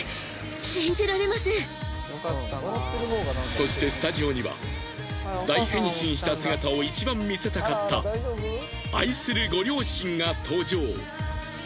そしてスタジオには大変身した姿をいちばん見せたかった愛するご両親が登場。